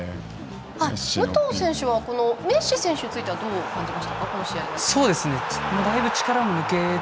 武藤選手はこのメッシ選手についてはどう感じましたか？